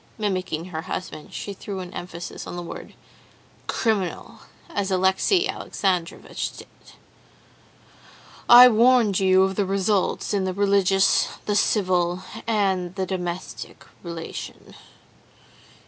'" (Mimicking her husband, she threw an emphasis on the word "criminal," as Alexey Alexandrovitch did.) "'I warned you of the results in the religious, the civil, and the domestic relation.